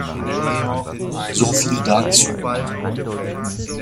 So viel dazu.